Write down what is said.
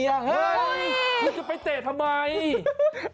เมลว่าจะไปเตะทำไมเนี่ย